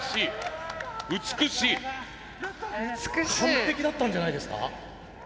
完璧だったんじゃないですか。